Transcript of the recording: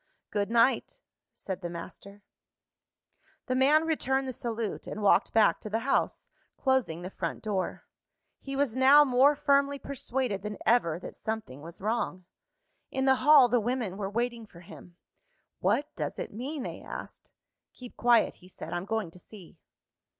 "Good night!" said the master. The man returned the salute, and walked back to the house, closing the front door. He was now more firmly persuaded than ever that something was wrong. In the hall, the women were waiting for him. "What does it mean?" they asked. "Keep quiet," he said; "I'm going to see."